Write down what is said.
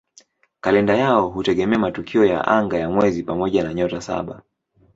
Kalenda yao hutegemea matukio ya anga ya mwezi pamoja na "Nyota Saba".